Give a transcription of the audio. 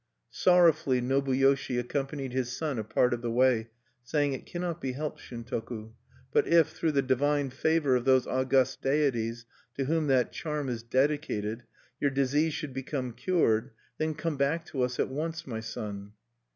Sorrowfully Nobuyoshi accompanied his son a part of the way, saying: "It cannot be helped, Shuntoku. But if, through the divine favor of those august deities to whom that charm is dedicated, your disease should become cured, then come back to us at once, my son."